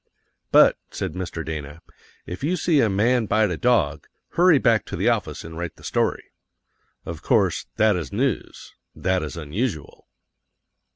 "But," said Mr. Dana, "if you see a man bite a dog, hurry back to the office and write the story." Of course that is news; that is unusual.